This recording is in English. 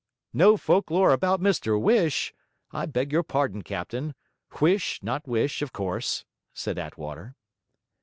'No folk lore about Mr Whish I beg your pardon, captain: Huish not Whish, of course,' said Attwater.